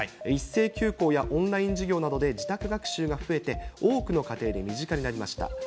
一斉休校やオンライン授業などで自宅学習が増えて、多くの家庭で身近になりました。